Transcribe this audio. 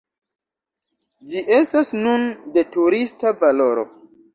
Ĝi estas nun de turista valoro.